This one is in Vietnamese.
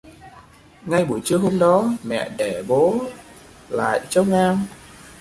ngay buổi trưa hôm đó mẹ để bố ở lại trông em